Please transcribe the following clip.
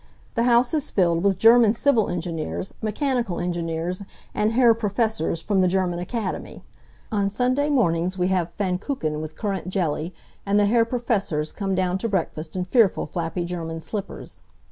The house is filled with German civil engineers, mechanical engineers, and Herr Professors from the German academy. On Sunday mornings we have Pfannkuchen with currant jelly, and the Herr Professors come down to breakfast in fearful flappy German slippers.